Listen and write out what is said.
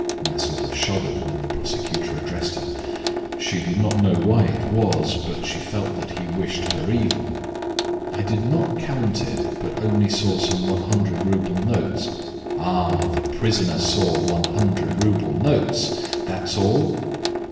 Maslova shuddered when the prosecutor addressed her; she did not know why it was, but she felt that he wished her evil. "I did not count it, but only saw some 100 rouble notes." "Ah! The prisoner saw 100 rouble notes. That's all?"